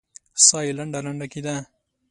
ساه يې لنډه لنډه کېده.